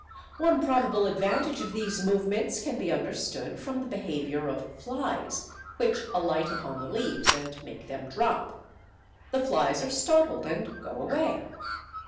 One probable advantage of these movements can be understood from the behaviour of flies, which alight upon the leaves and make them drop. The flies are startled and go away.